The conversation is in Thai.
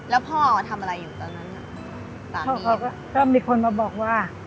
แล้วพ่อทำอะไรอยู่ตอนนั้นน่ะพ่อเขาก็ก็มีคนมาบอกว่า